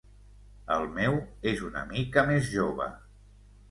El meu és una mica més jove.